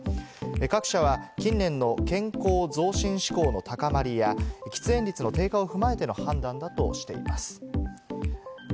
各社は近年の健康増進志向の高まりや、喫煙率の低下を踏まえての判断だとしています。